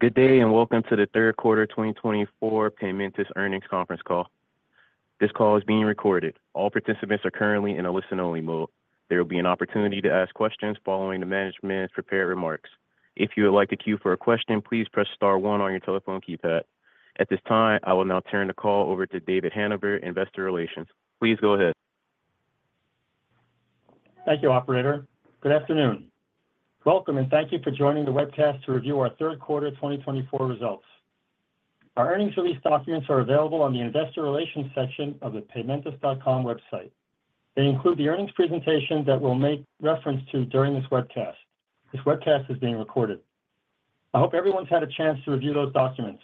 Good day and welcome to the third quarter 2024 Paymentus earnings conference call. This call is being recorded. All participants are currently in a listen-only mode. There will be an opportunity to ask questions following the management's prepared remarks. If you would like to queue for a question, please press star one on your telephone keypad. At this time, I will now turn the call over to David Hanover, Investor Relations. Please go ahead. Thank you, Operator. Good afternoon. Welcome, and thank you for joining the webcast to review our third quarter 2024 results. Our earnings release documents are available on the Investor Relations section of the Paymentus.com website. They include the earnings presentation that we'll make reference to during this webcast. This webcast is being recorded. I hope everyone's had a chance to review those documents.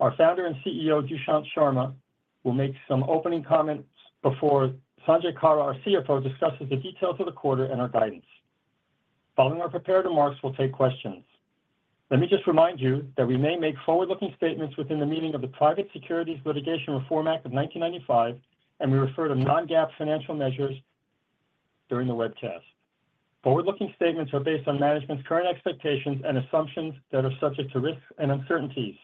Our founder and CEO, Dushyant Sharma, will make some opening comments before Sanjay Kalra, our CFO, discusses the details of the quarter and our guidance. Following our prepared remarks, we'll take questions. Let me just remind you that we may make forward-looking statements within the meaning of the Private Securities Litigation Reform Act of 1995, and we refer to non-GAAP financial measures during the webcast. Forward-looking statements are based on management's current expectations and assumptions that are subject to risks and uncertainties.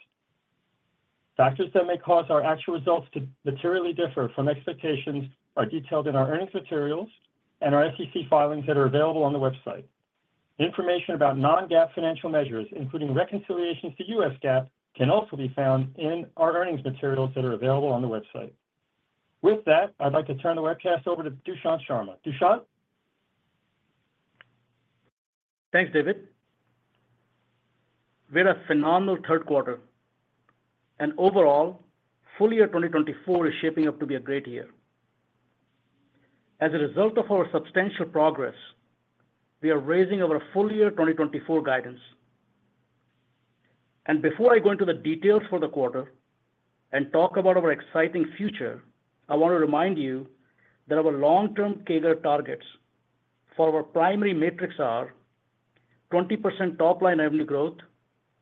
Factors that may cause our actual results to materially differ from expectations are detailed in our earnings materials and our SEC filings that are available on the website. Information about Non-GAAP financial measures, including reconciliations to US GAAP, can also be found in our earnings materials that are available on the website. With that, I'd like to turn the webcast over to Dushyant Sharma. Dushyant? Thanks, David. We had a phenomenal third quarter, and overall, full year 2024 is shaping up to be a great year. As a result of our substantial progress, we are raising our full year 2024 guidance, and before I go into the details for the quarter and talk about our exciting future, I want to remind you that our long-term CAGR targets for our primary metrics are 20% top-line revenue growth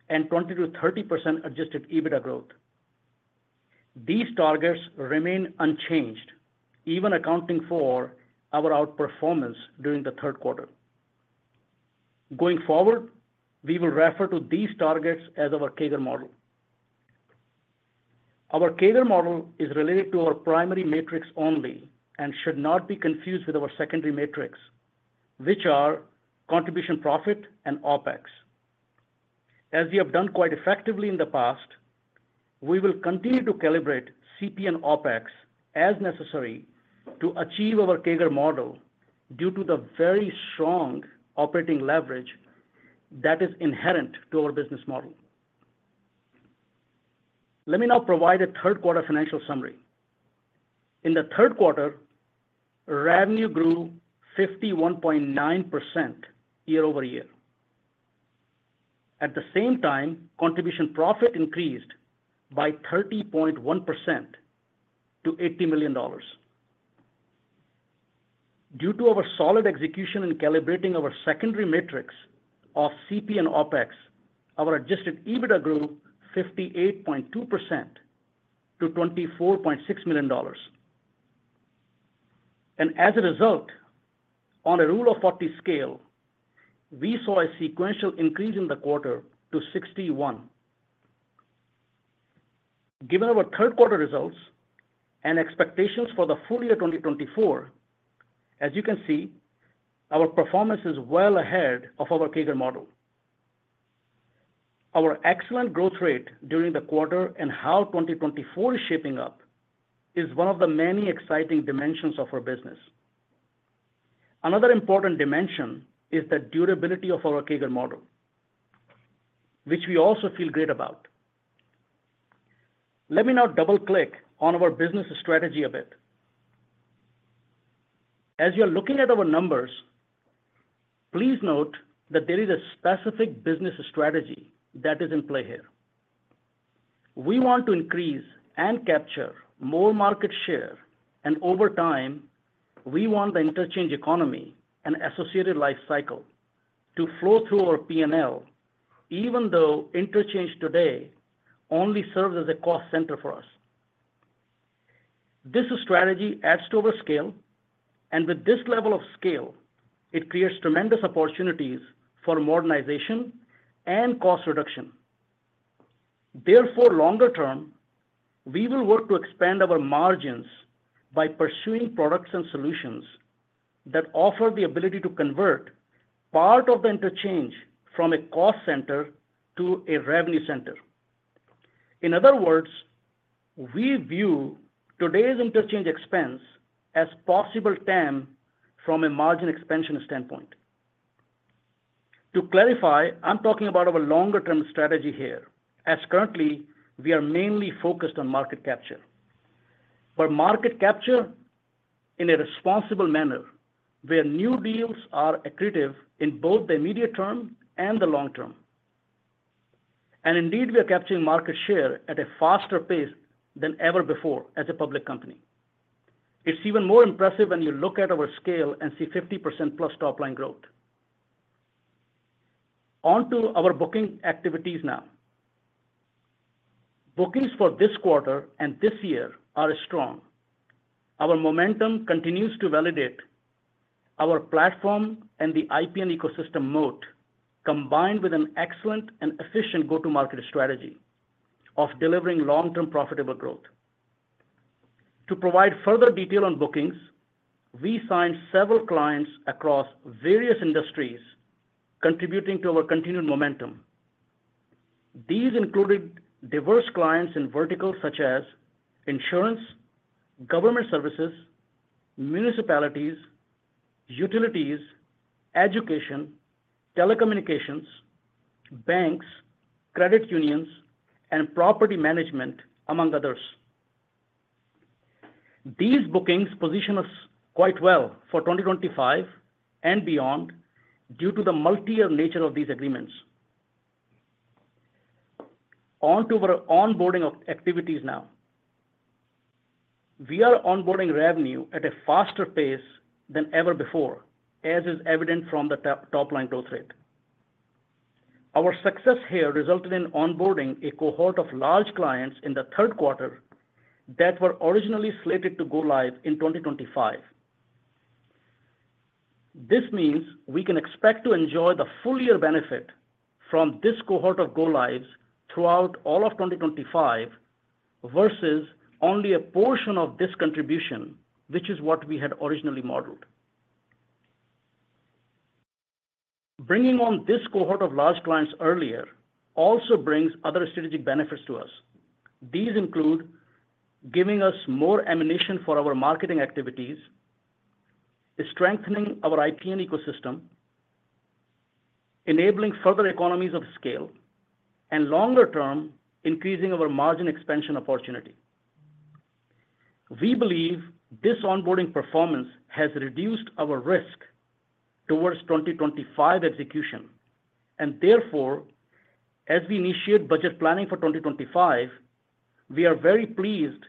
and 20%-30% Adjusted EBITDA growth. These targets remain unchanged, even accounting for our outperformance during the third quarter. Going forward, we will refer to these targets as our CAGR model. Our CAGR model is related to our primary metrics only and should not be confused with our secondary metrics, which are Contribution Profit and OpEx. As we have done quite effectively in the past, we will continue to calibrate CP and OpEx as necessary to achieve our CAGR model due to the very strong operating leverage that is inherent to our business model. Let me now provide a third quarter financial summary. In the third quarter, revenue grew 51.9% year-over-year. At the same time, contribution profit increased by 30.1% to $80 million. Due to our solid execution in calibrating our secondary metrics of CP and OpEx, our adjusted EBITDA grew 58.2% to $24.6 million, and as a result, on a Rule of 40 scale, we saw a sequential increase in the quarter to 61. Given our third quarter results and expectations for the full year 2024, as you can see, our performance is well ahead of our CAGR model. Our excellent growth rate during the quarter and how 2024 is shaping up is one of the many exciting dimensions of our business. Another important dimension is the durability of our CAGR model, which we also feel great about. Let me now double-click on our business strategy a bit. As you're looking at our numbers, please note that there is a specific business strategy that is in play here. We want to increase and capture more market share, and over time, we want the interchange economy and associated life cycle to flow through our P&L, even though interchange today only serves as a cost center for us. This strategy adds to our scale, and with this level of scale, it creates tremendous opportunities for modernization and cost reduction. Therefore, longer term, we will work to expand our margins by pursuing products and solutions that offer the ability to convert part of the interchange from a cost center to a revenue center. In other words, we view today's interchange expense as possible TAM from a margin expansion standpoint. To clarify, I'm talking about our longer-term strategy here, as currently, we are mainly focused on market capture. But market capture in a responsible manner, where new deals are accretive in both the immediate term and the long term. And indeed, we are capturing market share at a faster pace than ever before as a public company. It's even more impressive when you look at our scale and see 50% plus top-line growth. Onto our booking activities now. Bookings for this quarter and this year are strong. Our momentum continues to validate our platform and the IPN ecosystem moat, combined with an excellent and efficient go-to-market strategy of delivering long-term profitable growth. To provide further detail on bookings, we signed several clients across various industries, contributing to our continued momentum. These included diverse clients in verticals such as insurance, government services, municipalities, utilities, education, telecommunications, banks, credit unions, and property management, among others. These bookings position us quite well for 2025 and beyond due to the multi-year nature of these agreements. Onto our onboarding activities now. We are onboarding revenue at a faster pace than ever before, as is evident from the top-line growth rate. Our success here resulted in onboarding a cohort of large clients in the third quarter that were originally slated to go live in 2025. This means we can expect to enjoy the full year benefit from this cohort of go-lives throughout all of 2025 versus only a portion of this contribution, which is what we had originally modeled. Bringing on this cohort of large clients earlier also brings other strategic benefits to us. These include giving us more ammunition for our marketing activities, strengthening our IPN ecosystem, enabling further economies of scale, and longer-term increasing our margin expansion opportunity. We believe this onboarding performance has reduced our risk towards 2025 execution, and therefore, as we initiate budget planning for 2025, we are very pleased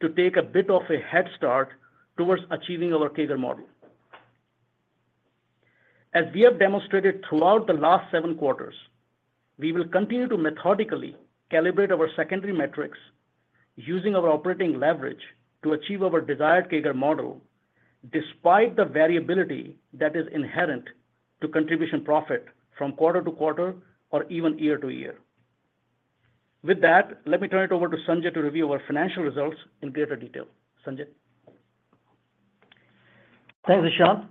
to take a bit of a head start towards achieving our CAGR model. As we have demonstrated throughout the last seven quarters, we will continue to methodically calibrate our secondary metrics using our operating leverage to achieve our desired CAGR model despite the variability that is inherent to contribution profit from quarter to quarter or even year to year. With that, let me turn it over to Sanjay to review our financial results in greater detail. Sanjay? Thanks, Dushyant.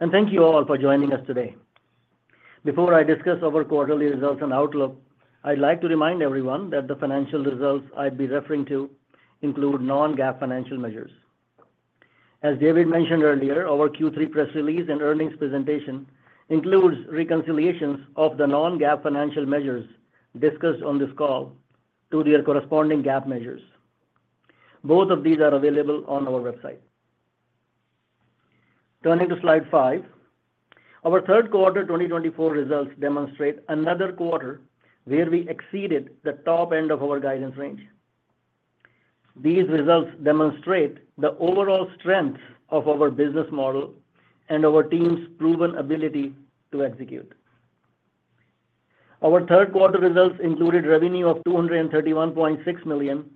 And thank you all for joining us today. Before I discuss our quarterly results and outlook, I'd like to remind everyone that the financial results I'd be referring to include non-GAAP financial measures. As David mentioned earlier, our Q3 press release and earnings presentation includes reconciliations of the non-GAAP financial measures discussed on this call to their corresponding GAAP measures. Both of these are available on our website. Turning to slide five, our third quarter 2024 results demonstrate another quarter where we exceeded the top end of our guidance range. These results demonstrate the overall strength of our business model and our team's proven ability to execute. Our third quarter results included revenue of $231.6 million,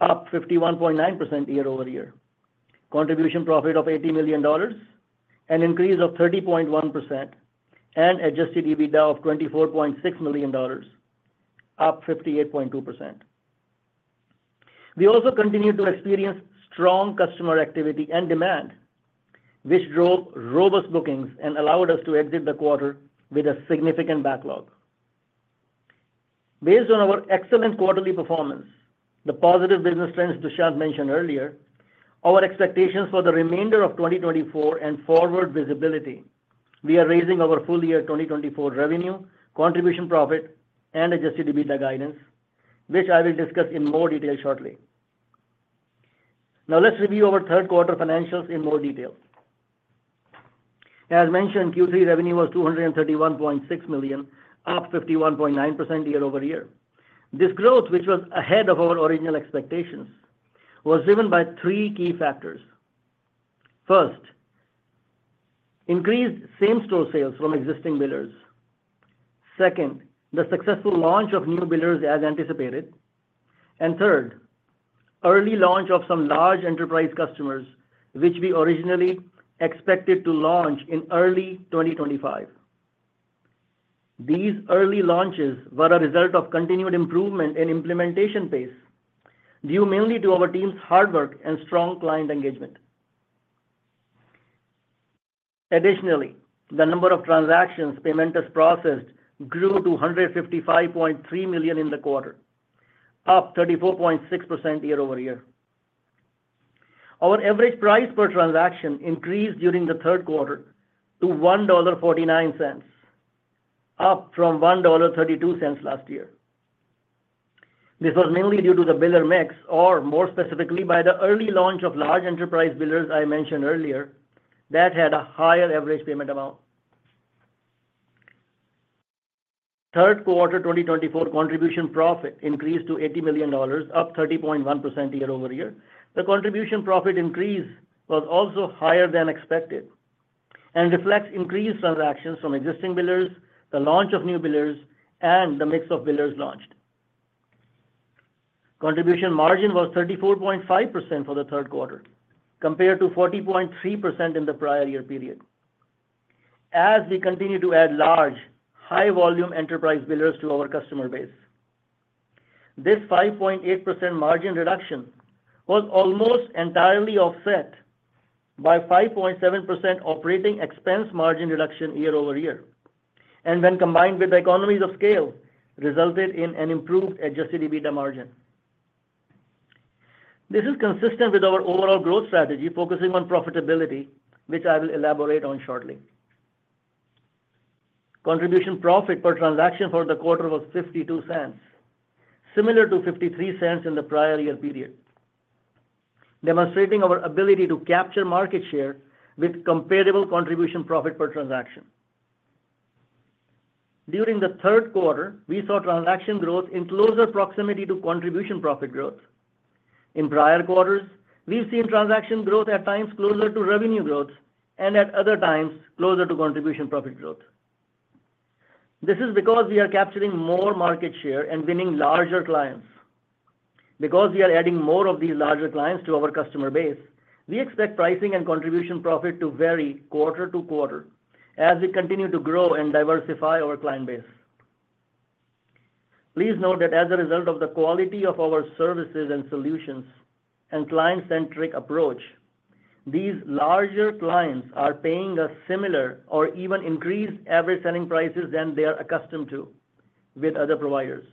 up 51.9% year-over-year, contribution profit of $80 million, an increase of 30.1%, and adjusted EBITDA of $24.6 million, up 58.2%. We also continued to experience strong customer activity and demand, which drove robust bookings and allowed us to exit the quarter with a significant backlog. Based on our excellent quarterly performance, the positive business trends Dushyant mentioned earlier, our expectations for the remainder of 2024 and forward visibility, we are raising our full year 2024 revenue, contribution profit, and adjusted EBITDA guidance, which I will discuss in more detail shortly. Now, let's review our third quarter financials in more detail. As mentioned, Q3 revenue was $231.6 million, up 51.9% year-over-year. This growth, which was ahead of our original expectations, was driven by three key factors. First, increased same-store sales from existing billers. Second, the successful launch of new billers as anticipated. And third, early launch of some large enterprise customers, which we originally expected to launch in early 2025. These early launches were a result of continued improvement in implementation pace due mainly to our team's hard work and strong client engagement. Additionally, the number of transactions Paymentus processed grew to $155.3 million in the quarter, up 34.6% year-over-year. Our average price per transaction increased during the third quarter to $1.49, up from $1.32 last year. This was mainly due to the biller mix, or more specifically, by the early launch of large enterprise billers I mentioned earlier that had a higher average payment amount. Third quarter 2024 contribution profit increased to $80 million, up 30.1% year-over-year. The contribution profit increase was also higher than expected and reflects increased transactions from existing billers, the launch of new billers, and the mix of billers launched. Contribution margin was 34.5% for the third quarter, compared to 40.3% in the prior year period. As we continue to add large, high-volume enterprise billers to our customer base, this 5.8% margin reduction was almost entirely offset by 5.7% operating expense margin reduction year-over-year, and when combined with the economies of scale, it resulted in an improved Adjusted EBITDA margin. This is consistent with our overall growth strategy focusing on profitability, which I will elaborate on shortly. Contribution Profit per Transaction for the quarter was $0.52, similar to $0.53 in the prior year period, demonstrating our ability to capture market share with comparable Contribution Profit per Transaction. During the third quarter, we saw transaction growth in closer proximity to Contribution Profit growth. In prior quarters, we've seen transaction growth at times closer to revenue growth and at other times closer to Contribution Profit growth. This is because we are capturing more market share and winning larger clients. Because we are adding more of these larger clients to our customer base, we expect pricing and contribution profit to vary quarter to quarter as we continue to grow and diversify our client base. Please note that as a result of the quality of our services and solutions and client-centric approach, these larger clients are paying a similar or even increased average selling prices than they are accustomed to with other providers.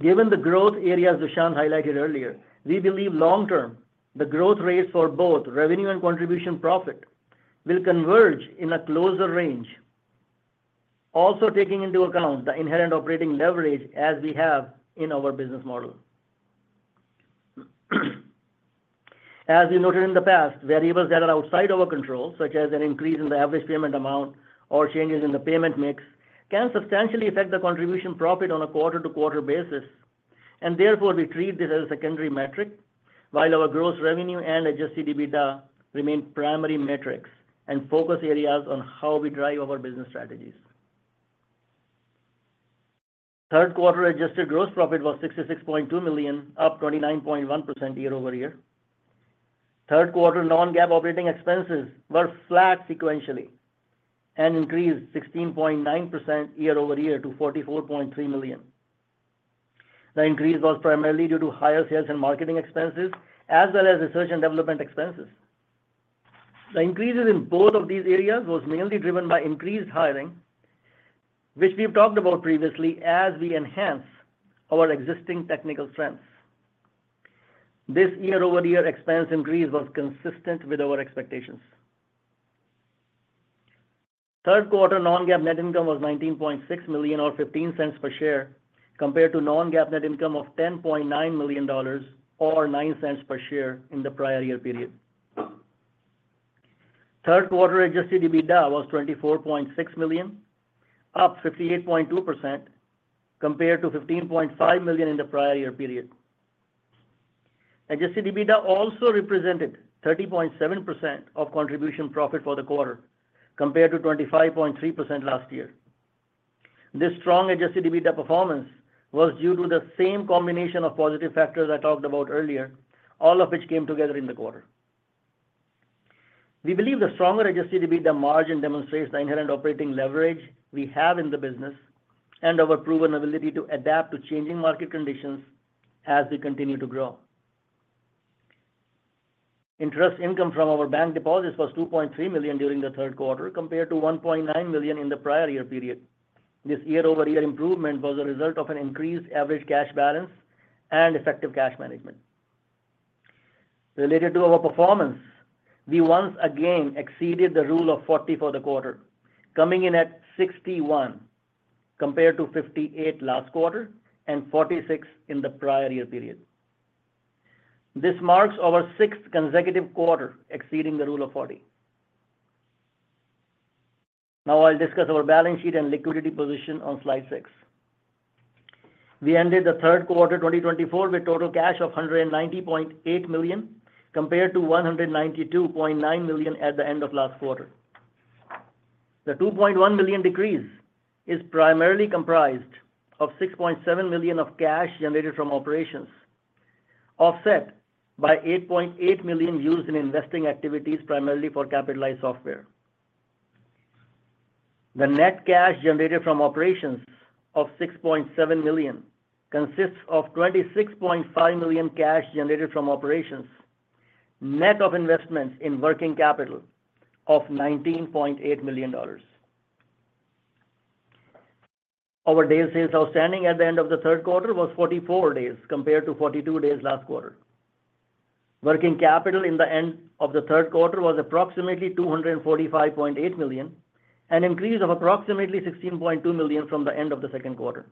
Given the growth areas Dushyant highlighted earlier, we believe long-term, the growth rates for both revenue and contribution profit will converge in a closer range, also taking into account the inherent operating leverage as we have in our business model. As we noted in the past, variables that are outside our control, such as an increase in the average payment amount or changes in the payment mix, can substantially affect the contribution profit on a quarter-to-quarter basis. Therefore, we treat this as a secondary metric, while our gross revenue and adjusted EBITDA remain primary metrics and focus areas on how we drive our business strategies. Third quarter adjusted gross profit was $66.2 million, up 29.1% year-over-year. Third quarter non-GAAP operating expenses were flat sequentially and increased 16.9% year-over-year to $44.3 million. The increase was primarily due to higher sales and marketing expenses as well as research and development expenses. The increases in both of these areas were mainly driven by increased hiring, which we've talked about previously as we enhance our existing technical strengths. This year-over-year expense increase was consistent with our expectations. Third quarter non-GAAP net income was $19.6 million or $0.15 per share, compared to non-GAAP net income of $10.9 million or $0.09 per share in the prior year period. Third quarter Adjusted EBITDA was $24.6 million, up 58.2%, compared to $15.5 million in the prior year period. Adjusted EBITDA also represented 30.7% of Contribution Profit for the quarter, compared to 25.3% last year. This strong Adjusted EBITDA performance was due to the same combination of positive factors I talked about earlier, all of which came together in the quarter. We believe the stronger Adjusted EBITDA margin demonstrates the inherent Operating Leverage we have in the business and our proven ability to adapt to changing market conditions as we continue to grow. Interest income from our bank deposits was $2.3 million during the third quarter, compared to $1.9 million in the prior year period. This year-over-year improvement was a result of an increased average cash balance and effective cash management. Related to our performance, we once again exceeded the Rule of 40 for the quarter, coming in at 61, compared to 58 last quarter and 46 in the prior year period. This marks our sixth consecutive quarter exceeding the Rule of 40. Now, I'll discuss our balance sheet and liquidity position on slide six. We ended the third quarter 2024 with total cash of $190.8 million, compared to $192.9 million at the end of last quarter. The $2.1 million decrease is primarily comprised of $6.7 million of cash generated from operations, offset by $8.8 million used in investing activities, primarily for capitalized software. The net cash generated from operations of $6.7 million consists of $26.5 million cash generated from operations, net of investments in working capital of $19.8 million. Our Days Sales Outstanding at the end of the third quarter was 44 days, compared to 42 days last quarter. Working capital at the end of the third quarter was approximately $245.8 million, an increase of approximately $16.2 million from the end of the second quarter.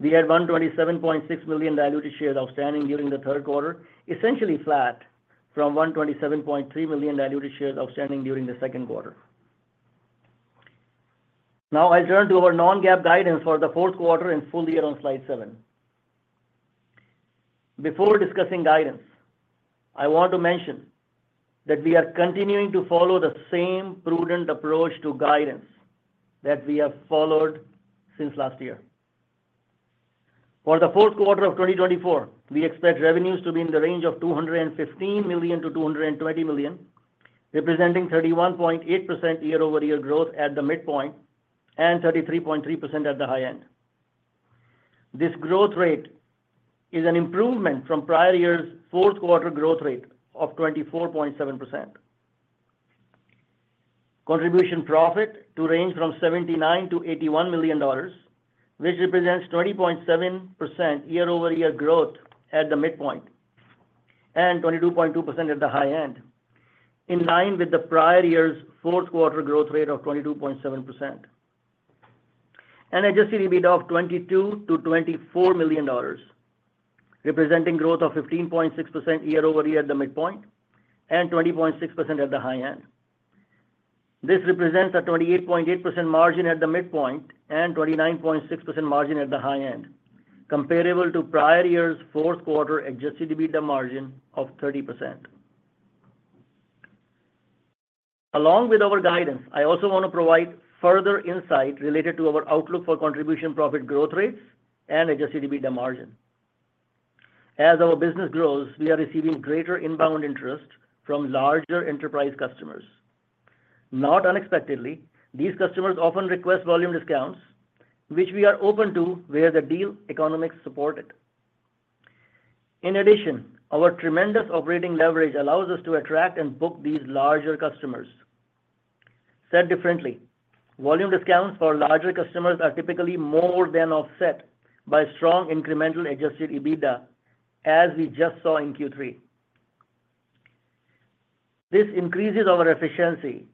We had $127.6 million diluted shares outstanding during the third quarter, essentially flat from $127.3 million diluted shares outstanding during the second quarter. Now, I'll turn to our non-GAAP guidance for the fourth quarter and full year on slide seven. Before discussing guidance, I want to mention that we are continuing to follow the same prudent approach to guidance that we have followed since last year. For the fourth quarter of 2024, we expect revenues to be in the range of $215 million-$220 million, representing 31.8% year-over-year growth at the midpoint and 33.3% at the high end. This growth rate is an improvement from prior year's fourth quarter growth rate of 24.7%. Contribution profit to range from $79 million-$81 million, which represents 20.7% year-over-year growth at the midpoint and 22.2% at the high end, in line with the prior year's fourth quarter growth rate of 22.7%. And adjusted EBITDA of $22 million-$24 million, representing growth of 15.6% year-over-year at the midpoint and 20.6% at the high end. This represents a 28.8% margin at the midpoint and 29.6% margin at the high end, comparable to prior year's fourth quarter adjusted EBITDA margin of 30%. Along with our guidance, I also want to provide further insight related to our outlook for contribution profit growth rates and adjusted EBITDA margin. As our business grows, we are receiving greater inbound interest from larger enterprise customers. Not unexpectedly, these customers often request volume discounts, which we are open to where the deal economics support it. In addition, our tremendous operating leverage allows us to attract and book these larger customers. Said differently, volume discounts for larger customers are typically more than offset by strong incremental Adjusted EBITDA, as we just saw in Q3. This increases our efficiency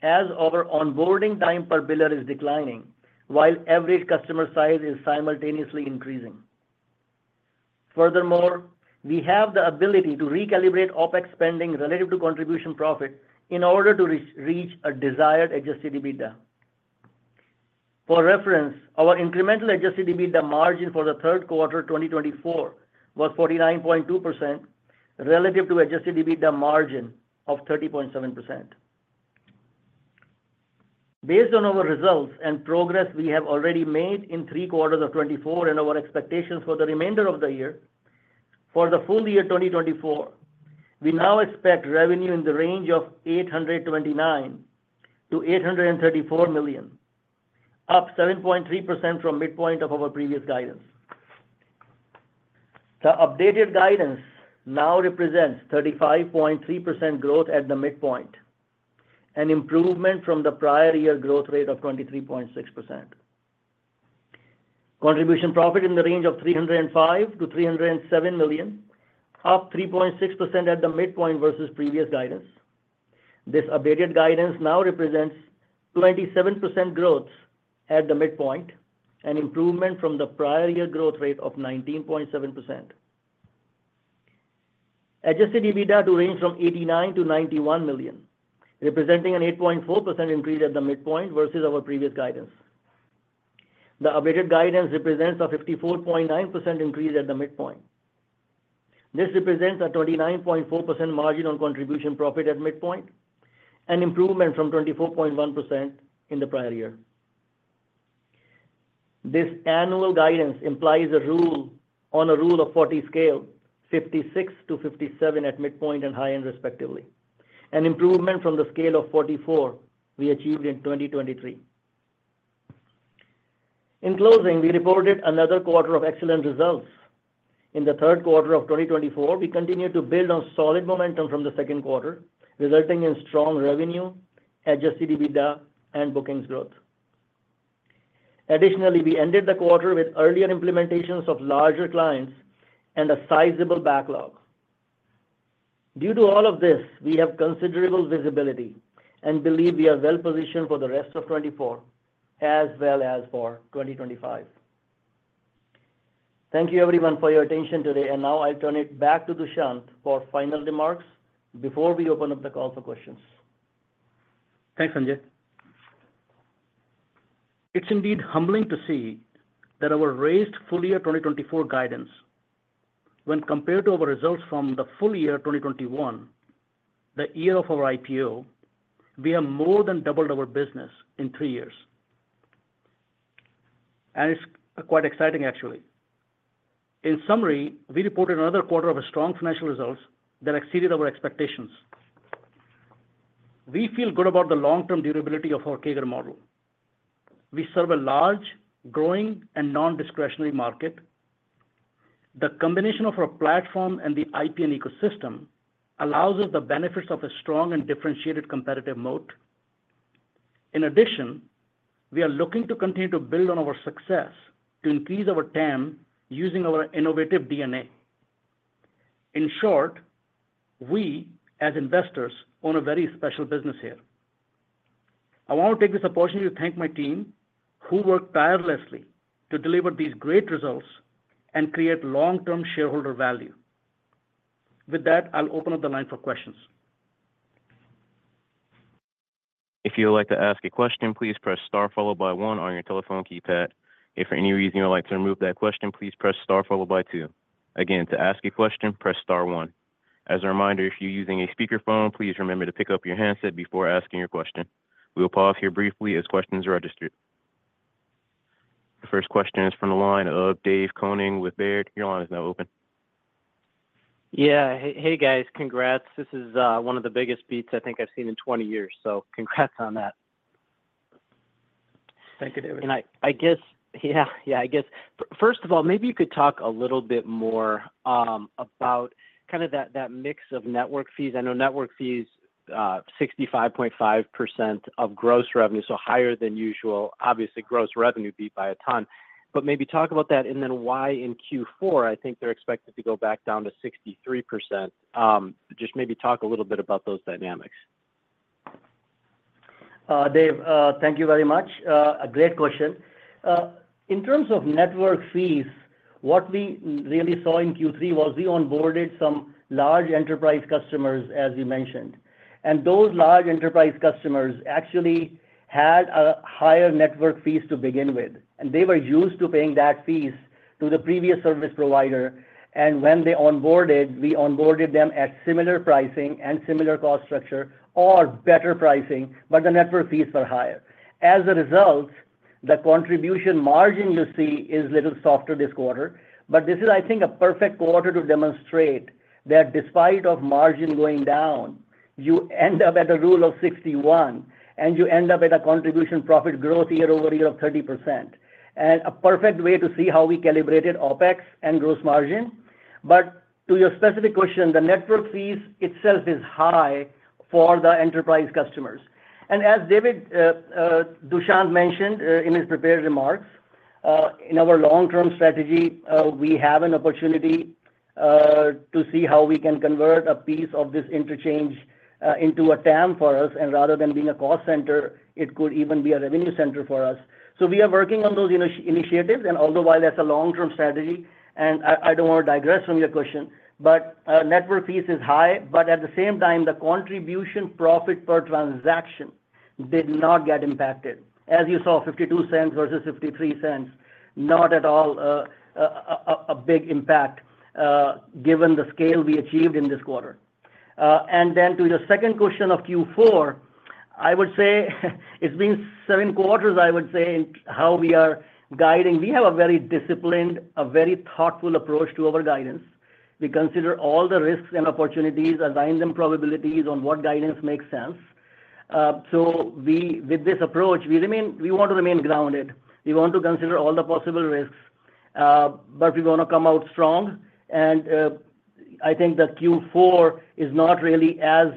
as our onboarding time per biller is declining while average customer size is simultaneously increasing. Furthermore, we have the ability to recalibrate OpEx spending relative to contribution profit in order to reach a desired Adjusted EBITDA. For reference, our incremental Adjusted EBITDA margin for the third quarter 2024 was 49.2% relative to Adjusted EBITDA margin of 30.7%. Based on our results and progress we have already made in three quarters of 2024 and our expectations for the remainder of the year, for the full year 2024, we now expect revenue in the range of $829 million-$834 million, up 7.3% from midpoint of our previous guidance. The updated guidance now represents 35.3% growth at the midpoint, an improvement from the prior year growth rate of 23.6%. Contribution profit in the range of $305 million -$307 million, up 3.6% at the midpoint versus previous guidance. This updated guidance now represents 27% growth at the midpoint, an improvement from the prior year growth rate of 19.7%. Adjusted EBITDA to range from $89 million-$91 million, representing an 8.4% increase at the midpoint versus our previous guidance. The updated guidance represents a 54.9% increase at the midpoint. This represents a 29.4% margin on contribution profit at midpoint, an improvement from 24.1% in the prior year. This annual guidance implies a Rule of 40 scale, 56-57 at midpoint and high end respectively, an improvement from the scale of 44 we achieved in 2023. In closing, we reported another quarter of excellent results. In the third quarter of 2024, we continued to build on solid momentum from the second quarter, resulting in strong revenue, Adjusted EBITDA, and bookings growth. Additionally, we ended the quarter with earlier implementations of larger clients and a sizable backlog. Due to all of this, we have considerable visibility and believe we are well-positioned for the rest of 2024 as well as for 2025. Thank you, everyone, for your attention today. And now I'll turn it back to Dushyant for final remarks before we open up the call for questions. Thanks, Sanjay. It's indeed humbling to see that our raised full year 2024 guidance, when compared to our results from the full year 2021, the year of our IPO. We have more than doubled our business in three years. And it's quite exciting, actually. In summary, we reported another quarter of strong financial results that exceeded our expectations. We feel good about the long-term durability of our CAGR model. We serve a large, growing, and non-discretionary market. The combination of our platform and the IPN ecosystem allows us the benefits of a strong and differentiated competitive moat. In addition, we are looking to continue to build on our success to increase our TAM using our innovative DNA. In short, we, as investors, own a very special business here. I want to take this opportunity to thank my team who worked tirelessly to deliver these great results and create long-term shareholder value. With that, I'll open up the line for questions. If you would like to ask a question, please press star followed by one on your telephone keypad. If for any reason you would like to remove that question, please press star followed by two. Again, to ask a question, press star one. As a reminder, if you're using a speakerphone, please remember to pick up your handset before asking your question. We'll pause here briefly as questions are registered. The first question is from the line of Dave Koning with Baird. Your line is now open. Yeah. Hey, guys. Congrats. This is one of the biggest beats I think I've seen in 20 years. So congrats on that. Thank you, David. I guess, first of all, maybe you could talk a little bit more about kind of that mix of network fees. I know network fees, 65.5% of gross revenue, so higher than usual. Obviously, gross revenue beat by a ton. But maybe talk about that and then why in Q4, I think they're expected to go back down to 63%. Just maybe talk a little bit about those dynamics. Dave, thank you very much. A great question. In terms of network fees, what we really saw in Q3 was we onboarded some large enterprise customers, as you mentioned, and those large enterprise customers actually had a higher network fees to begin with, and they were used to paying that fees to the previous service provider, and when they onboarded, we onboarded them at similar pricing and similar cost structure or better pricing, but the network fees were higher. As a result, the contribution margin you see is a little softer this quarter, but this is, I think, a perfect quarter to demonstrate that despite of margin going down, you end up at a rule of 61, and you end up at a contribution profit growth year-over-year of 30%, and a perfect way to see how we calibrated OpEx and gross margin. But to your specific question, the network fees itself is high for the enterprise customers. And as Dushyant mentioned in his prepared remarks, in our long-term strategy, we have an opportunity to see how we can convert a piece of this interchange into a TAM for us. And rather than being a cost center, it could even be a revenue center for us. So we are working on those initiatives. And although while that's a long-term strategy, and I don't want to digress from your question, but network fees is high. But at the same time, the contribution profit per transaction did not get impacted. As you saw, $0.52 versus $0.53, not at all a big impact given the scale we achieved in this quarter. And then to your second question of Q4, I would say it's been seven quarters, I would say, how we are guiding. We have a very disciplined, a very thoughtful approach to our guidance. We consider all the risks and opportunities, align their probabilities on what guidance makes sense. So with this approach, we want to remain grounded. We want to consider all the possible risks. But we want to come out strong. And I think that Q4 is not really as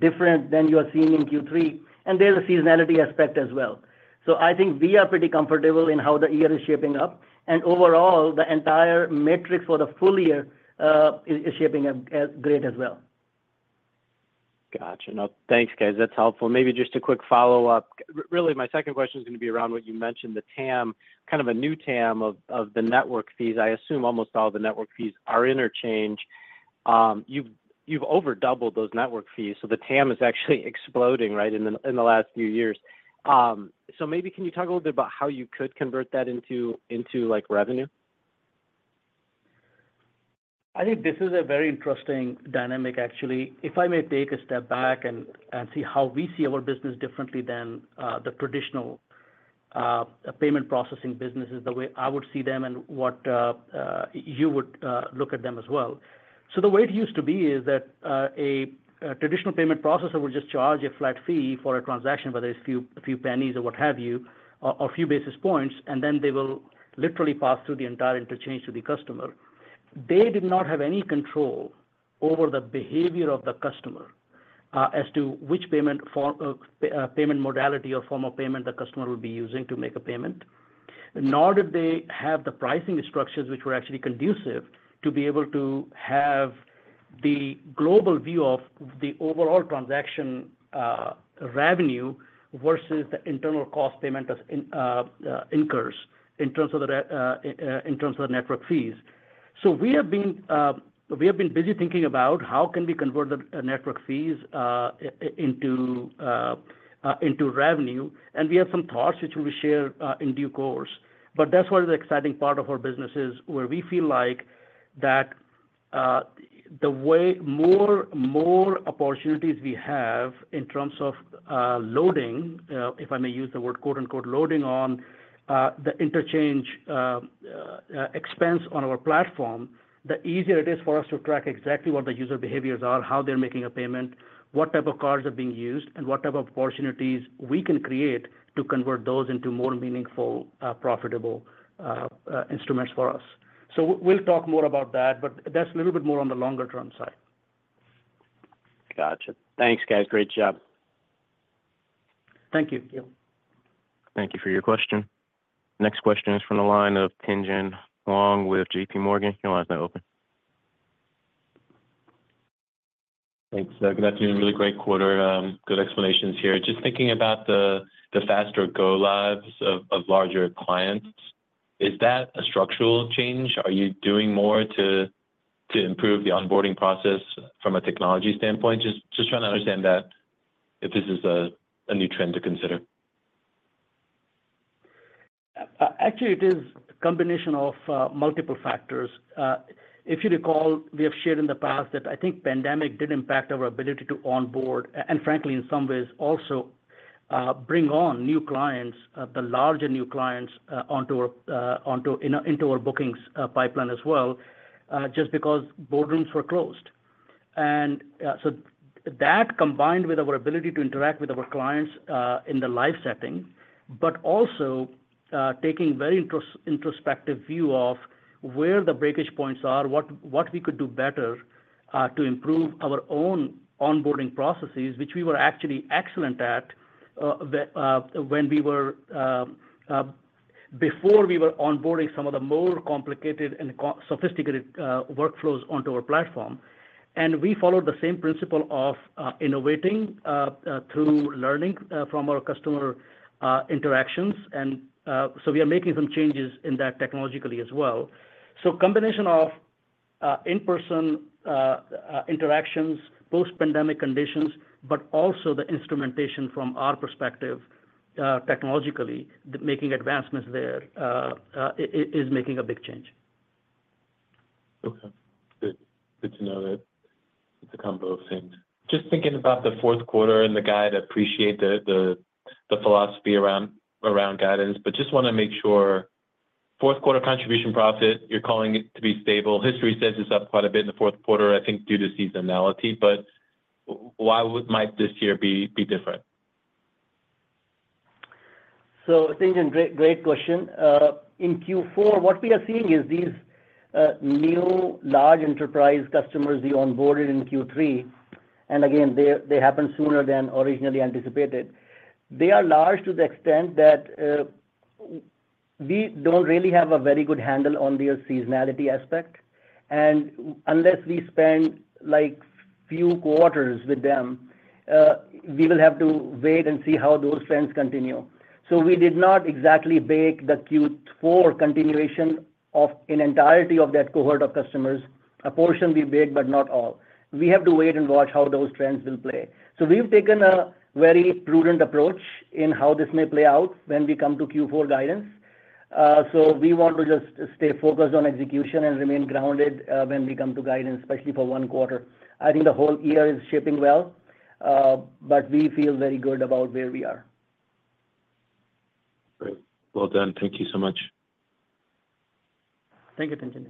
different than you are seeing in Q3. And there's a seasonality aspect as well. So I think we are pretty comfortable in how the year is shaping up. And overall, the entire metrics for the full year is shaping up great as well. Gotcha. No, thanks, guys. That's helpful. Maybe just a quick follow-up. Really, my second question is going to be around what you mentioned, the TAM, kind of a new TAM of the network fees. I assume almost all the network fees are interchange. You've overdoubled those network fees. So the TAM is actually exploding right in the last few years. So maybe can you talk a little bit about how you could convert that into revenue? I think this is a very interesting dynamic, actually. If I may take a step back and see how we see our business differently than the traditional payment processing businesses, the way I would see them and what you would look at them as well, so the way it used to be is that a traditional payment processor would just charge a flat fee for a transaction, whether it's a few pennies or what have you, or a few basis points, and then they will literally pass through the entire interchange to the customer. They did not have any control over the behavior of the customer as to which payment modality or form of payment the customer would be using to make a payment. Nor did they have the pricing structures which were actually conducive to be able to have the global view of the overall transaction revenue versus the internal cost Paymentus incurs in terms of the network fees. So we have been busy thinking about how can we convert the network fees into revenue. And we have some thoughts which we will share in due course. But that's what the exciting part of our business is, where we feel like that the more opportunities we have in terms of loading, if I may use the word "loading" on the interchange expense on our platform, the easier it is for us to track exactly what the user behaviors are, how they're making a payment, what type of cards are being used, and what type of opportunities we can create to convert those into more meaningful, profitable instruments for us. So we'll talk more about that, but that's a little bit more on the longer-term side. Gotcha. Thanks, guys. Great job. Thank you. Thank you for your question. Next question is from the line of Tien-Tsin Huang with JPMorgan. Your line's now open. Thanks. Good afternoon. Really great quarter. Good explanations here. Just thinking about the faster go-lives of larger clients, is that a structural change? Are you doing more to improve the onboarding process from a technology standpoint? Just trying to understand that if this is a new trend to consider. Actually, it is a combination of multiple factors. If you recall, we have shared in the past that I think pandemic did impact our ability to onboard and, frankly, in some ways, also bring on new clients, the larger new clients, into our bookings pipeline as well, just because boardrooms were closed. And so that combined with our ability to interact with our clients in the live setting, but also taking a very introspective view of where the breakage points are, what we could do better to improve our own onboarding processes, which we were actually excellent at before we were onboarding some of the more complicated and sophisticated workflows onto our platform. And we followed the same principle of innovating through learning from our customer interactions. And so we are making some changes in that technologically as well. So, combination of in-person interactions, post-pandemic conditions, but also the instrumentation from our perspective technologically, making advancements there is making a big change. Okay. Good to know that it's a combo of things. Just thinking about the fourth quarter and the guide, I appreciate the philosophy around guidance, but just want to make sure fourth quarter contribution profit, you're calling it to be stable. History says it's up quite a bit in the fourth quarter, I think due to seasonality. But why might this year be different? Tien-Tsin, great question. In Q4, what we are seeing is these new large enterprise customers we onboarded in Q3. And again, they happened sooner than originally anticipated. They are large to the extent that we don't really have a very good handle on their seasonality aspect. And unless we spend a few quarters with them, we will have to wait and see how those trends continue. We did not exactly bake the Q4 continuation of an entirety of that cohort of customers. A portion we baked, but not all. We have to wait and watch how those trends will play. We've taken a very prudent approach in how this may play out when we come to Q4 guidance. We want to just stay focused on execution and remain grounded when we come to guidance, especially for one quarter. I think the whole year is shaping well, but we feel very good about where we are. Great. Well done. Thank you so much. Thank you, Tien-Tsin.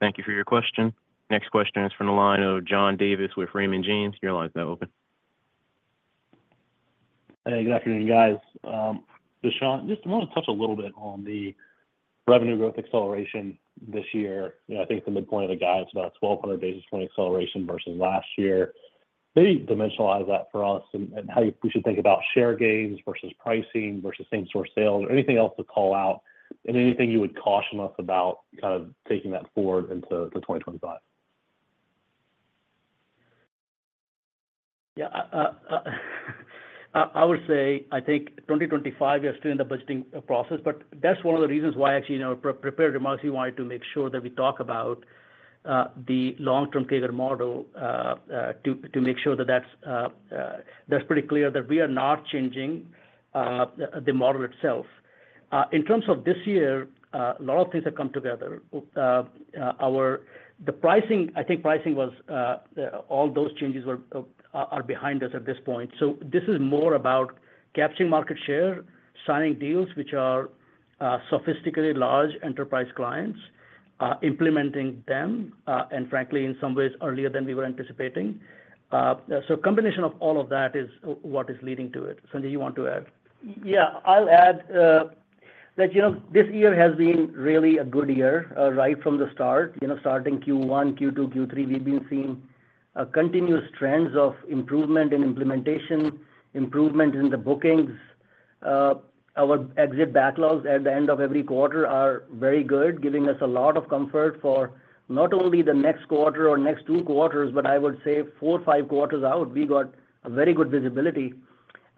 Thank you for your question. Next question is from the line of John Davis with Raymond James. Your line's now open. Hey, good afternoon, guys. Dushyant, just want to touch a little bit on the revenue growth acceleration this year. I think the midpoint of the guide is about 1,200 basis points acceleration versus last year. Maybe dimensionalize that for us and how we should think about share gains versus pricing versus same-store sales or anything else to call out and anything you would caution us about kind of taking that forward into 2025. Yeah. I would say, I think 2025, we are still in the budgeting process. But that's one of the reasons why actually in our prepared remarks, we wanted to make sure that we talk about the long-term CAGR model to make sure that that's pretty clear that we are not changing the model itself. In terms of this year, a lot of things have come together. The pricing, I think pricing was all those changes are behind us at this point. So this is more about capturing market share, signing deals which are sophisticated, large enterprise clients, implementing them, and frankly, in some ways, earlier than we were anticipating. So a combination of all of that is what is leading to it. Sanjay, you want to add? Yeah. I'll add that this year has been really a good year right from the start. Starting Q1, Q2, Q3, we've been seeing continuous trends of improvement in implementation, improvement in the bookings. Our exit backlogs at the end of every quarter are very good, giving us a lot of comfort for not only the next quarter or next two quarters, but I would say four, five quarters out, we got a very good visibility.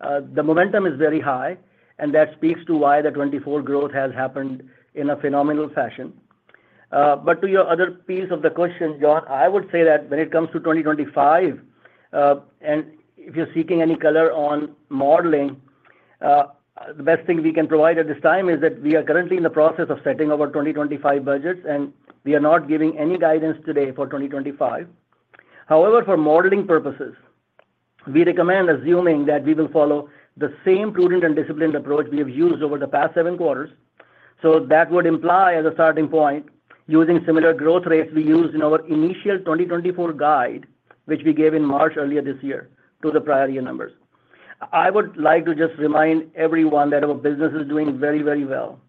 The momentum is very high, and that speaks to why the 2024 growth has happened in a phenomenal fashion. But to your other piece of the question, John, I would say that when it comes to 2025, and if you're seeking any color on modeling, the best thing we can provide at this time is that we are currently in the process of setting our 2025 budgets, and we are not giving any guidance today for 2025. However, for modeling purposes, we recommend assuming that we will follow the same prudent and disciplined approach we have used over the past seven quarters. So that would imply as a starting point, using similar growth rates we used in our initial 2024 guide, which we gave in March earlier this year to the prior year numbers. I would like to just remind everyone that our business is doing very, very well.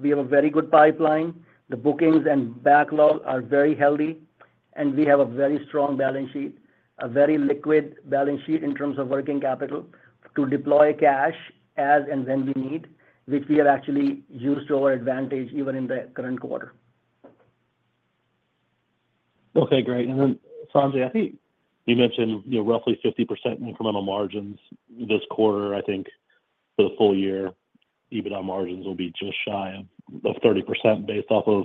We have a very good pipeline. The bookings and backlog are very healthy, and we have a very strong balance sheet, a very liquid balance sheet in terms of working capital to deploy cash as and when we need, which we have actually used to our advantage even in the current quarter. Okay. Great. And then, Sanjay, I think you mentioned roughly 50% incremental margins this quarter. I think for the full year, EBITDA margins will be just shy of 30% based off of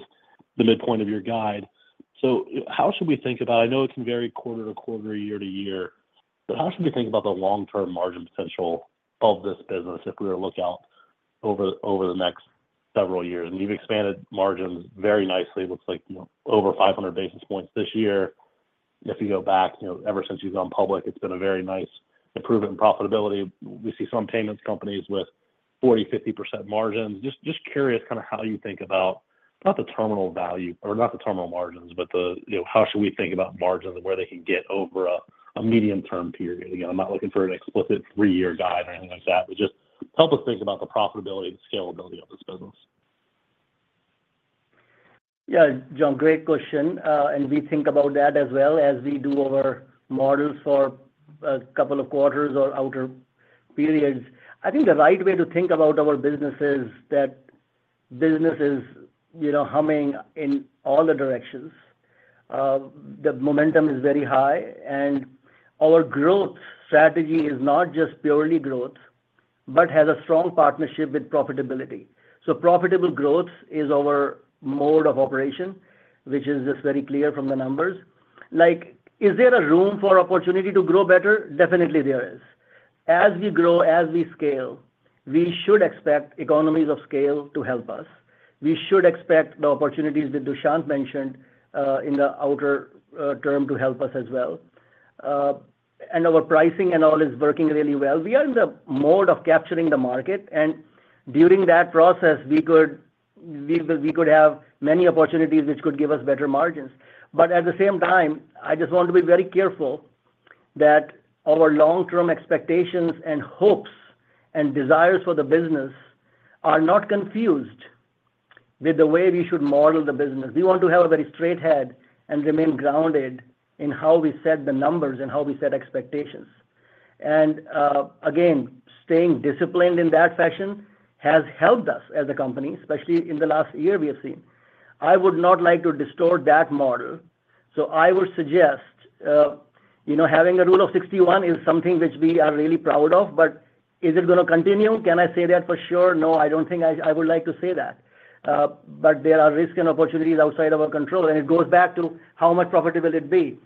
the midpoint of your guide. So how should we think about it? I know it can vary quarter to quarter, year to year, but how should we think about the long-term margin potential of this business if we were to look out over the next several years? And you've expanded margins very nicely. It looks like over 500 basis points this year. If you go back, ever since you've gone public, it's been a very nice improvement in profitability. We see some payments companies with 40%, 50% margins. Just curious kind of how you think about not the terminal value or not the terminal margins, but how should we think about margins and where they can get over a medium-term period? Again, I'm not looking for an explicit three-year guide or anything like that, but just help us think about the profitability and scalability of this business. Yeah, John, great question, and we think about that as well as we do our models for a couple of quarters or outer periods. I think the right way to think about our business is that business is humming in all the directions. The momentum is very high, and our growth strategy is not just purely growth, but has a strong partnership with profitability, so profitable growth is our mode of operation, which is just very clear from the numbers. Is there a room for opportunity to grow better? Definitely, there is. As we grow, as we scale, we should expect economies of scale to help us. We should expect the opportunities that Dushyant mentioned in the outer term to help us as well, and our pricing and all is working really well. We are in the mode of capturing the market, and during that process, we could have many opportunities which could give us better margins. But at the same time, I just want to be very careful that our long-term expectations and hopes and desires for the business are not confused with the way we should model the business. We want to have a very straight head and remain grounded in how we set the numbers and how we set expectations, and again, staying disciplined in that fashion has helped us as a company, especially in the last year we have seen. I would not like to distort that model, so I would suggest having a rule of 61 is something which we are really proud of, but is it going to continue? Can I say that for sure? No, I don't think I would like to say that. but there are risks and opportunities outside of our control, and it goes back to how much profitable it will be.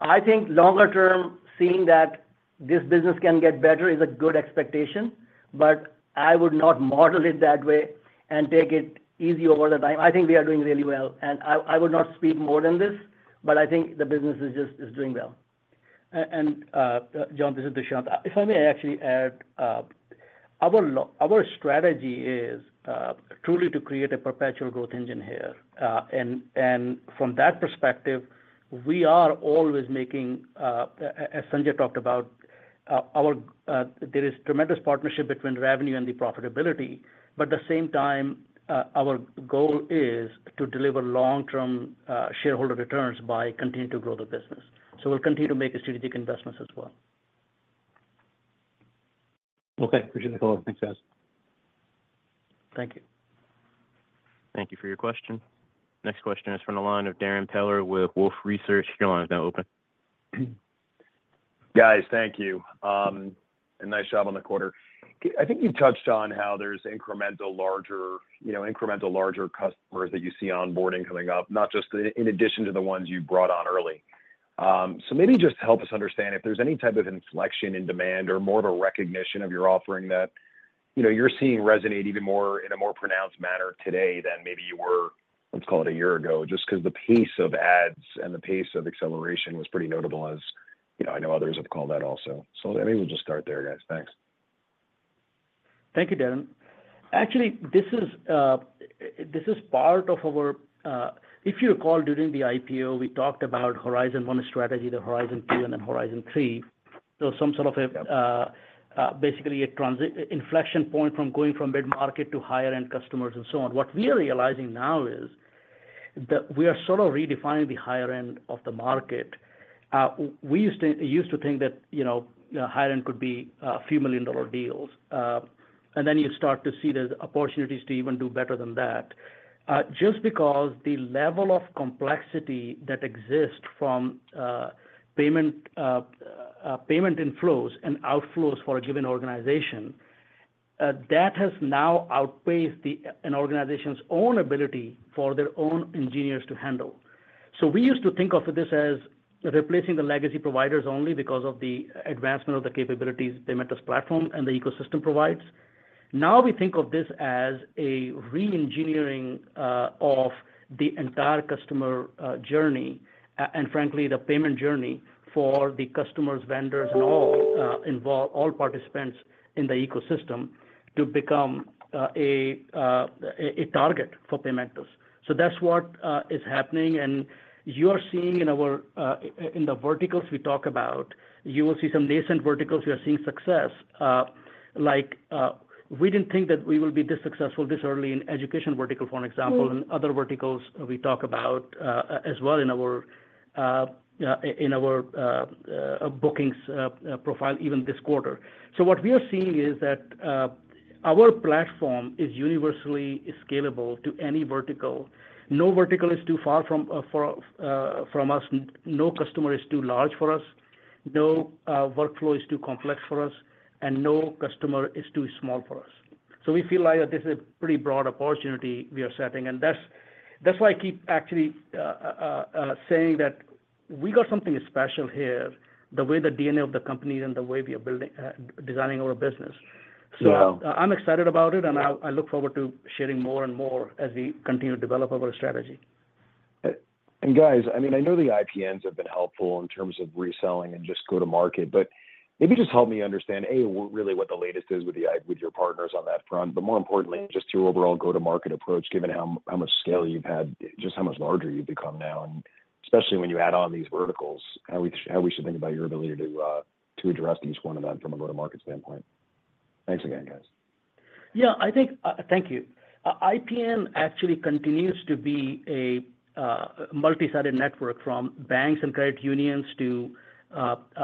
I think longer-term, seeing that this business can get better is a good expectation, but I would not model it that way and take it easy over the time. I think we are doing really well, and I would not speak more than this, but I think the business is doing well. John, this is Dushyant. If I may actually add, our strategy is truly to create a perpetual growth engine here. From that perspective, we are always making, as Sanjay talked about, there is tremendous partnership between revenue and the profitability, but at the same time, our goal is to deliver long-term shareholder returns by continuing to grow the business. We'll continue to make strategic investments as well. Okay. Appreciate the call. Thanks, guys. Thank you. Thank you for your question. Next question is from the line of Darrin Peller with Wolfe Research. Your line is now open. Guys, thank you. And nice job on the quarter. I think you touched on how there's incremental larger customers that you see onboarding coming up, not just in addition to the ones you brought on early. So maybe just help us understand if there's any type of inflection in demand or more of a recognition of your offering that you're seeing resonate even more in a more pronounced manner today than maybe you were, let's call it a year ago, just because the pace of adds and the pace of acceleration was pretty notable as I know others have called that also. So maybe we'll just start there, guys. Thanks. Thank you, Darrin. Actually, this is part of our, if you recall, during the IPO, we talked about Horizon One strategy, the Horizon Two, and then Horizon Three. So some sort of basically a inflection point from going from mid-market to higher-end customers and so on. What we are realizing now is that we are sort of redefining the higher-end of the market. We used to think that higher-end could be a few million-dollar deals, and then you start to see there's opportunities to even do better than that. Just because the level of complexity that exists from payment inflows and outflows for a given organization, that has now outpaced an organization's own ability for their own engineers to handle. So we used to think of this as replacing the legacy providers only because of the advancement of the capabilities Paymentus platform and the ecosystem provides. Now we think of this as a re-engineering of the entire customer journey and, frankly, the payment journey for the customers, vendors, and all participants in the ecosystem to become a target for Paymentus. So that's what is happening. And you are seeing in the verticals we talk about. You will see some nascent verticals we are seeing success. We didn't think that we will be this successful this early in education vertical, for example, and other verticals we talk about as well in our bookings profile even this quarter. So what we are seeing is that our platform is universally scalable to any vertical. No vertical is too far from us. No customer is too large for us. No workflow is too complex for us, and no customer is too small for us. So we feel like this is a pretty broad opportunity we are setting. That's why I keep actually saying that we got something special here, the way the DNA of the company and the way we are designing our business. I'm excited about it, and I look forward to sharing more and more as we continue to develop our strategy. And guys, I mean, I know the IPNs have been helpful in terms of reselling and just go-to-market, but maybe just help me understand, A, really what the latest is with your partners on that front, but more importantly, just your overall go-to-market approach, given how much scale you've had, just how much larger you've become now, and especially when you add on these verticals, how we should think about your ability to address each one of them from a go-to-market standpoint. Thanks again, guys. Yeah. I think. Thank you. IPN actually continues to be a multi-sided network from banks and credit unions to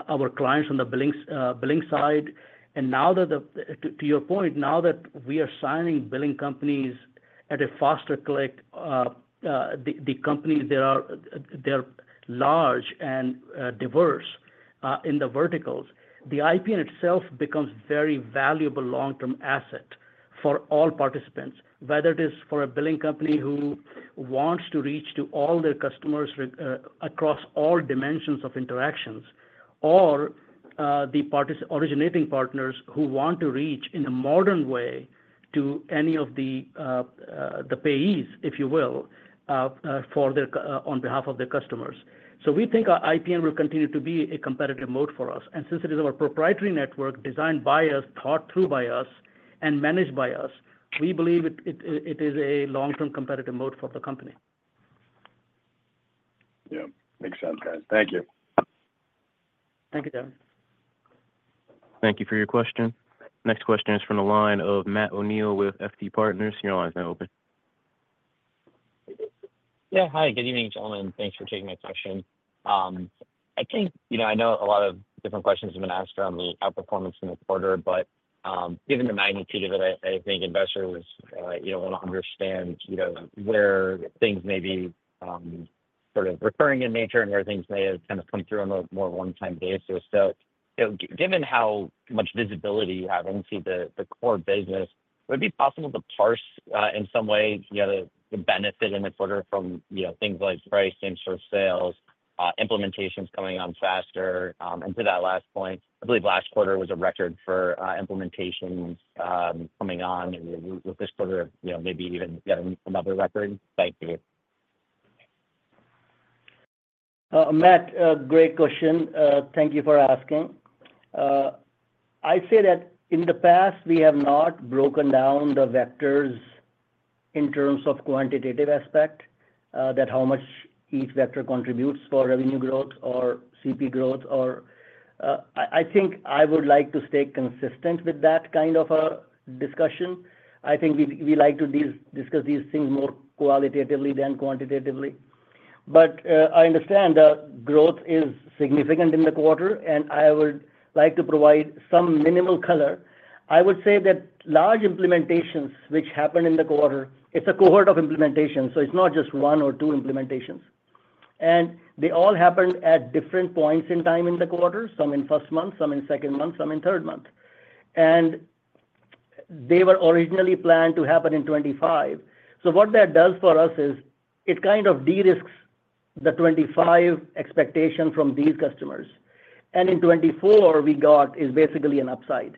our clients on the billing side. And now that, to your point, now that we are signing billing companies at a faster clip, the companies, they're large and diverse in the verticals. The IPN itself becomes a very valuable long-term asset for all participants, whether it is for a billing company who wants to reach all their customers across all dimensions of interactions or the originating partners who want to reach in a modern way to any of the payees, if you will, on behalf of their customers. So we think IPN will continue to be a competitive moat for us. And since it is our proprietary network designed by us, thought through by us, and managed by us, we believe it is a long-term competitive moat for the company. Yeah. Makes sense, guys. Thank you. Thank you, Darren. Thank you for your question. Next question is from the line of Matt O'Neill with FT Partners. Your line is now open. Yeah. Hi. Good evening, gentlemen. Thanks for taking my question. I think a lot of different questions have been asked around the outperformance in the quarter, but given the magnitude of it, I think investors want to understand where things may be sort of recurring in nature and where things may have kind of come through on a more one-time basis. So given how much visibility you have into the core business, would it be possible to parse in some way the benefit in this quarter from things like price, same-store sales, implementations coming on faster? And to that last point, I believe last quarter was a record for implementations coming on, and with this quarter, maybe even another record. Thank you. Matt, great question. Thank you for asking. I'd say that in the past, we have not broken down the vectors in terms of quantitative aspect, that how much each vector contributes for revenue growth or CP growth. I think I would like to stay consistent with that kind of a discussion. I think we like to discuss these things more qualitatively than quantitatively. But I understand the growth is significant in the quarter, and I would like to provide some minimal color. I would say that large implementations which happened in the quarter, it's a cohort of implementations, so it's not just one or two implementations. And they all happened at different points in time in the quarter, some in first month, some in second month, some in third month. And they were originally planned to happen in 2025. So what that does for us is it kind of de-risks the 2025 expectation from these customers. And in 2024, we got is basically an upside.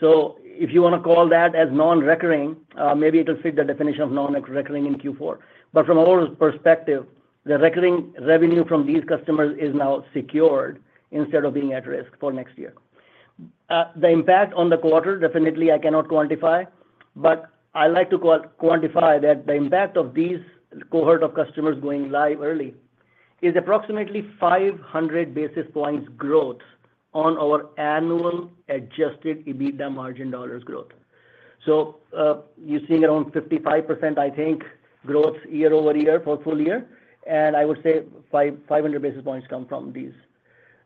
So if you want to call that as non-recurring, maybe it'll fit the definition of non-recurring in Q4. But from our perspective, the recurring revenue from these customers is now secured instead of being at risk for next year. The impact on the quarter, definitely I cannot quantify, but I like to quantify that the impact of this cohort of customers going live early is approximately 500 basis points growth on our annual adjusted EBITDA margin dollars growth. So you're seeing around 55%, I think, growth year-over-year for full year. And I would say 500 basis points come from these.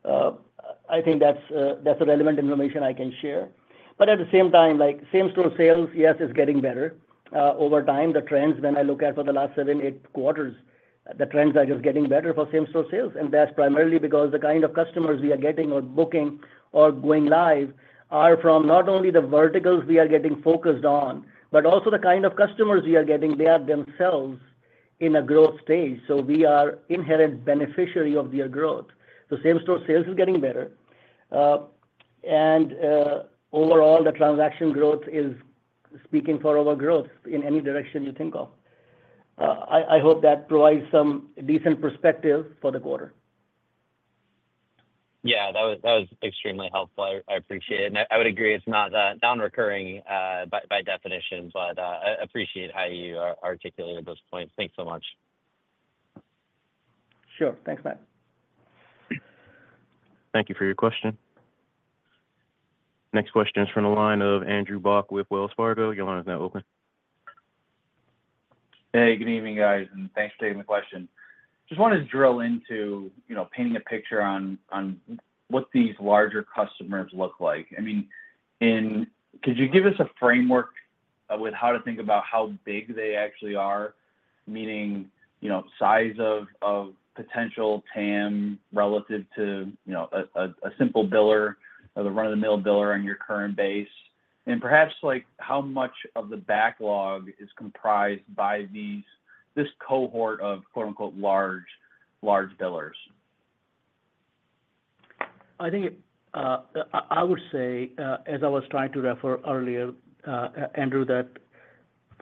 I think that's the relevant information I can share. But at the same time, same-store sales, yes, it's getting better over time. The trends, when I look at for the last seven, eight quarters, the trends are just getting better for same-store sales, and that's primarily because the kind of customers we are getting or booking or going live are from not only the verticals we are getting focused on, but also the kind of customers we are getting; they are themselves in a growth stage, so we are an inherent beneficiary of their growth, so same-store sales is getting better, and overall, the transaction growth is speaking for our growth in any direction you think of. I hope that provides some decent perspective for the quarter. Yeah. That was extremely helpful. I appreciate it, and I would agree it's not non-recurring by definition, but I appreciate how you articulated those points. Thanks so much. Sure. Thanks, Matt. Thank you for your question. Next question is from the line of Andrew Bauch with Wells Fargo. Your line is now open. Hey, good evening, guys. Thanks for taking the question. Just wanted to drill into painting a picture on what these larger customers look like. I mean, could you give us a framework with how to think about how big they actually are, meaning size of potential TAM relative to a simple biller, the run-of-the-mill biller on your current base? And perhaps how much of the backlog is comprised by this cohort of "large" billers? I think I would say, as I was trying to refer earlier, Andrew, that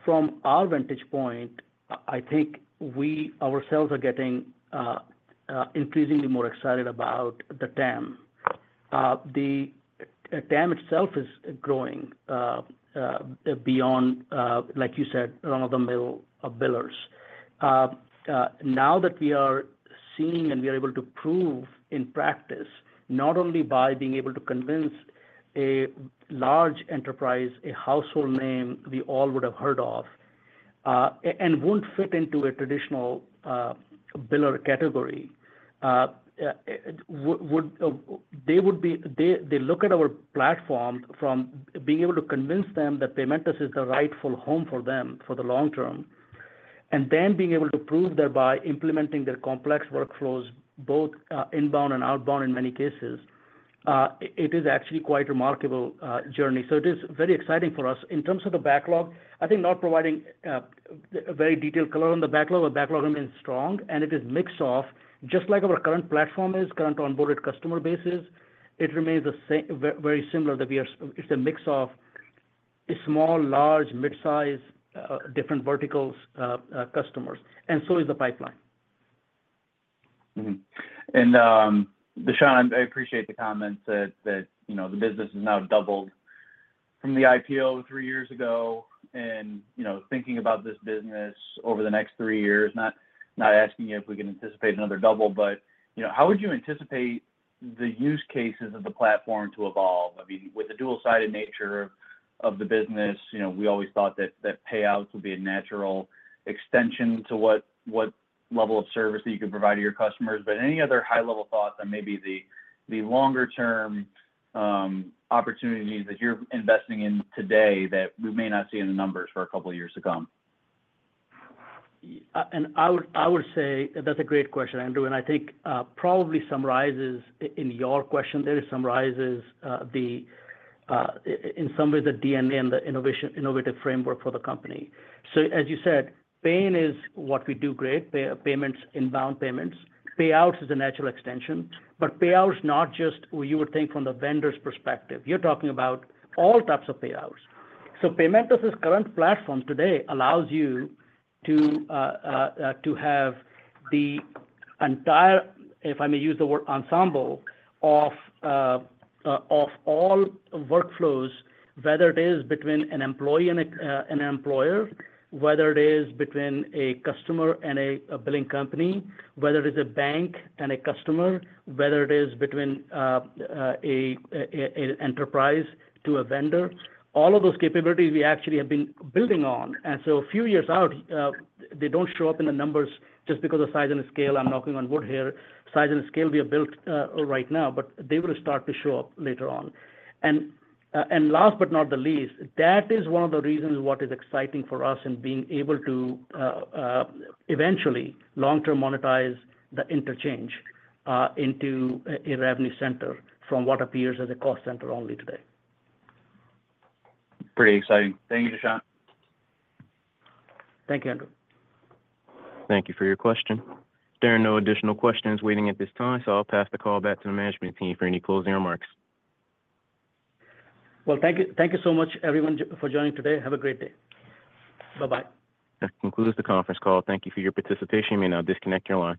from our vantage point, I think we ourselves are getting increasingly more excited about the TAM. The TAM itself is growing beyond, like you said, run-of-the-mill billers. Now that we are seeing and we are able to prove in practice, not only by being able to convince a large enterprise, a household name we all would have heard of and wouldn't fit into a traditional biller category, they look at our platform from being able to convince them that Paymentus is the rightful home for them for the long term, and then being able to prove that by implementing their complex workflows, both inbound and outbound in many cases, it is actually quite a remarkable journey, so it is very exciting for us. In terms of the backlog, I think not providing a very detailed color on the backlog, but backlog remains strong, and it is a mix of. Just like our current platform is, current onboarded customer bases, it remains very similar that it's a mix of small, large, mid-size, different verticals customers. And so is the pipeline. Dushyant, I appreciate the comment that the business has now doubled from the IPO three years ago and thinking about this business over the next three years, not asking you if we can anticipate another double, but how would you anticipate the use cases of the platform to evolve? I mean, with the dual-sided nature of the business, we always thought that payouts would be a natural extension to what level of service that you could provide to your customers. But any other high-level thoughts on maybe the longer-term opportunities that you're investing in today that we may not see in the numbers for a couple of years to come? I would say that's a great question, Andrew. I think probably summarizes in your question, it summarizes in some ways the DNA and the innovative framework for the company. As you said, paying is what we do great, inbound payments. Payouts is a natural extension. Payouts not just what you would think from the vendor's perspective. You're talking about all types of payouts. Paymentus's current platform today allows you to have the entire, if I may use the word ensemble, of all workflows, whether it is between an employee and an employer, whether it is between a customer and a billing company, whether it is a bank and a customer, whether it is between an enterprise to a vendor. All of those capabilities we actually have been building on. And so a few years out, they don't show up in the numbers just because of size and scale. I'm knocking on wood here. Size and scale we have built right now, but they will start to show up later on. And last but not the least, that is one of the reasons what is exciting for us in being able to eventually long-term monetize the interchange into a revenue center from what appears as a cost center only today. Pretty exciting. Thank you, Dushyant. Thank you, Andrew. Thank you for your question. There are no additional questions waiting at this time, so I'll pass the call back to the management team for any closing remarks. Thank you so much, everyone, for joining today. Have a great day. Bye-bye. That concludes the conference call. Thank you for your participation. You may now disconnect your line.